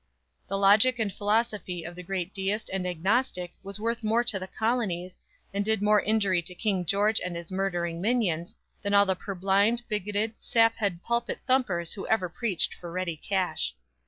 The logic and philosophy of the great deist and agnostic was worth more to the Colonies, and did more injury to King George and his murdering minions, than all the purblind, bigoted, saphead pulpit thumpers who ever preached for ready cash.